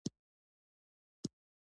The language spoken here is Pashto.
هر سجدې ته جنت ته یو قدم نژدې کېږي.